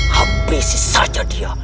habisi saja dia